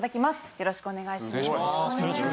よろしくお願いします。